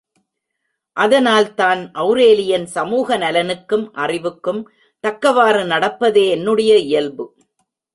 அதனால் தான் ஒளரேலியன் சமூக நலனுக்கும் அறிவுக்கும் தக்கவாறு நடப்பதே என்னுடைய இயல்பு.